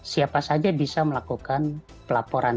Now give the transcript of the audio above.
siapa saja bisa melakukan pelaporan